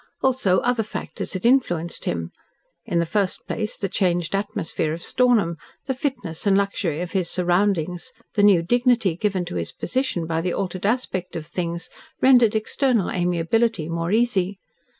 Also other factors had influenced him. In the first place, the changed atmosphere of Stornham, the fitness and luxury of his surroundings, the new dignity given to his position by the altered aspect of things, rendered external amiability more easy.